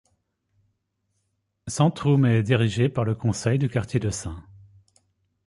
Sentrum est dirigé par le conseil du quartier de St.